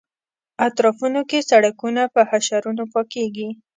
اطرافونو کې سړکونه په حشرونو پاکېږي.